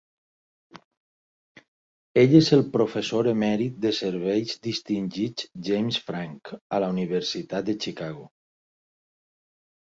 Ell és el professor emèrit de serveis distingits James Franck a la Universitat de Chicago.